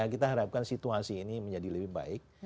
kita harapkan situasi ini menjadi lebih baik